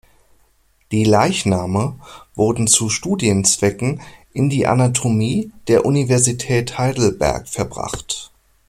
Die Leichname wurden zu „Studienzwecken“ in die Anatomie der Universität Heidelberg verbracht.